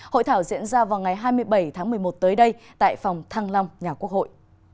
hội thảo diễn ra vào ngày hai mươi bảy tháng một mươi một tới đây tại phòng thăng long nhà quốc hội